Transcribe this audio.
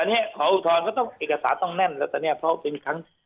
อันนี้ขออุทธรณ์ก็ต้องเอกสารต้องแน่นแล้วตอนนี้เพราะเป็นครั้ง